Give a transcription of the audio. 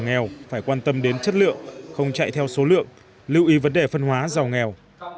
nghèo phải quan tâm đến chất lượng không chạy theo số lượng lưu ý vấn đề phân hóa giàu nghèo